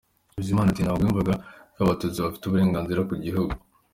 Bizimana ati “Ntabwo yumvaga ko Abatutsi bafite uburenganzira ku gihugu.